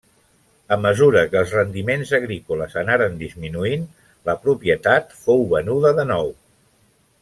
A mesura que els rendiments agrícoles anaren disminuint, la propietat fou venuda de nou.